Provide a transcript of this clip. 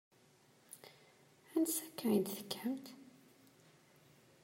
Ansa akka i d-tekkamt?